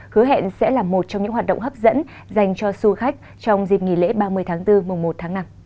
hứa hẹn sẽ là một trong những hoạt động hấp dẫn dành cho du khách trong dịp nghỉ lễ ba mươi tháng bốn mùa một tháng năm